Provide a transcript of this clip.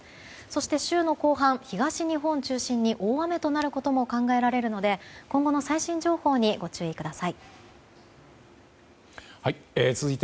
そして週の後半、東日本中心に大雨となることも考えられるので今後の最新情報にご注意ください。